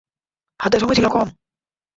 হাতে সময় ছিল কম।